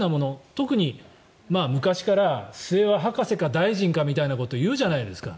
特に昔から末は博士か大臣かみたいなこと言うじゃないですか。